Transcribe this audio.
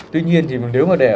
tuy nhiên thì nếu mà để